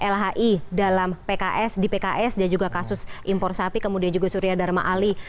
lhi dalam pks di pks dan juga kasus impor sapi kemudian juga surya dharma ali